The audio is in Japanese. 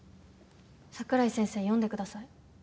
桜井先生読んでください。